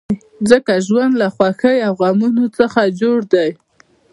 ځکه ژوند له خوښیو او غمو څخه جوړ دی.